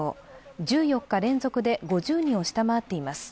１４日連続で５０人を下回っています。